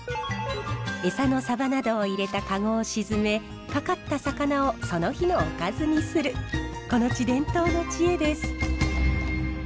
エサのサバなどを入れたカゴを沈めかかった魚をその日のおかずにするこの地伝統の知恵です。